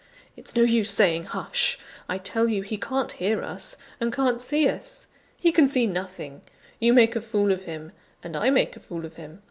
It's no use saying hush: I tell you he can't hear us, and can't see us. He can see nothing; you make a fool of him, and I make a fool of him.